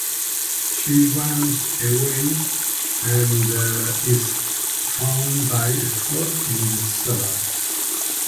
She runs away and is found by Scott in the cellar.